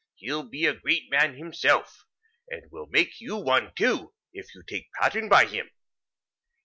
He'll be a great man himself, and will make you one too, if you take pattern by him.